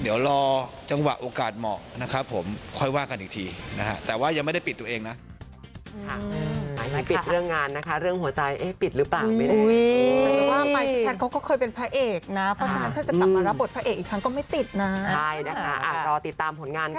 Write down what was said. เดี๋ยวรอจังหวะโอกาสเหมาะนะครับผมค่อยว่ากันอีกทีนะฮะแต่ว่ายังไม่ได้ปิดตัวเองนะ